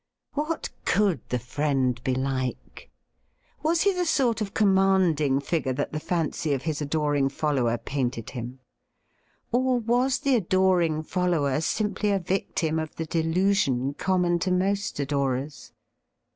What could the friend be like? Was he the sort of commanding figure that the fancy of his adoring follower painted him ? Or was the adoring follower simply a victim of the delusion common" to most adorers